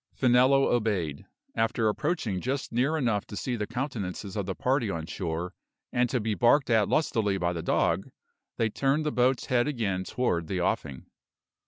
Finello obeyed. After approaching just near enough to see the countenances of the party on shore, and to be barked at lustily by the dog, they turned the boat's head again toward the offing.